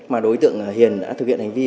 mà đối tượng hiền đã thực hiện hành vi